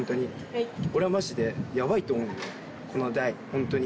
ホントに。